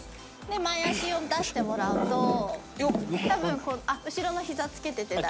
前足を出してもらうと多分後ろのひざつけてて大丈夫です。